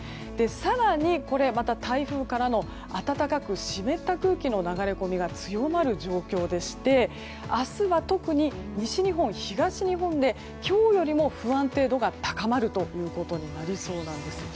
更に、また台風からの暖かく湿った空気の流れ込みが強まる状況でして明日は特に西日本、東日本で今日よりも不安定度が高まるということになりそうです。